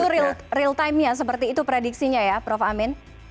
itu real time nya seperti itu prediksinya ya prof amin